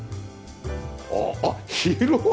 あっ広い！